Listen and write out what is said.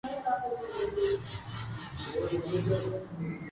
Al día siguiente, Anderson pidió el divorcio.